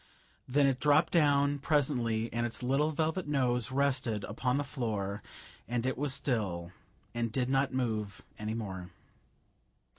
Then it dropped down, presently, and its little velvet nose rested upon the floor, and it was still, and did not move any more.